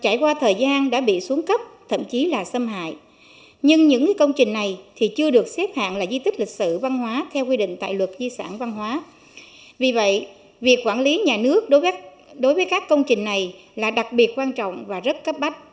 trải qua thời gian đã bị xuống cấp thậm chí là xâm hại nhưng những công trình này thì chưa được xếp hạng là di tích lịch sử văn hóa theo quy định tại luật di sản văn hóa vì vậy việc quản lý nhà nước đối với các công trình này là đặc biệt quan trọng và rất cấp bách